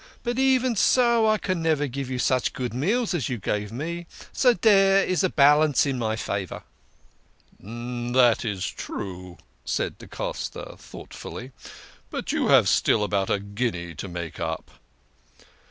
But even so I can never give you such good meals as you give me. So dere is still a balance in my favour." " That is true," said da Costa thoughtfully. " But you have still about a guinea to make up."